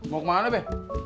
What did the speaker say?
mau kemana be